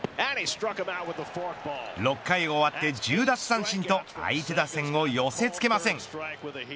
６回終わって、１０奪三振と相手打線を寄せ付けません。